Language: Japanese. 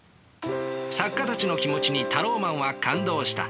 作家たちの気持ちにタローマンは感動した。